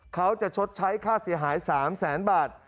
ชดใช้ค่าเสียหาย๓แสนบาท